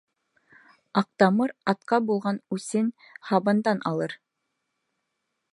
Аҡтамыр атҡа булған үсен һабандан алыр.